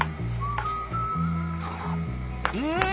うん！